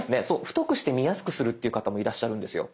太くして見やすくするっていう方もいらっしゃるんですよ。